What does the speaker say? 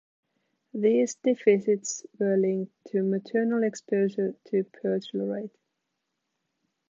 These deficits were linked to maternal exposure to perchlorate.